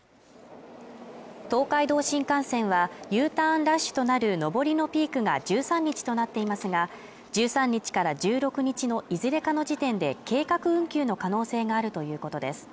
東海道新幹線はＵターンラッシュとなる上りのピークが１３日となっていますが１３日から１６日のいずれかの時点で計画運休の可能性があるということです